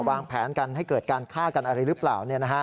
วางแผนกันให้เกิดการฆ่ากันอะไรหรือเปล่า